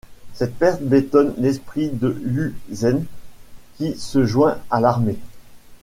Cette perte bétonne l'esprit de Yu Zhen qui se joint à l'armée.